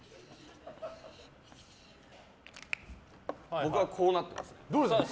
僕は、こうなってます。